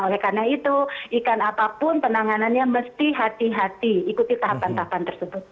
oleh karena itu ikan apapun penanganannya mesti hati hati ikuti tahapan tahapan tersebut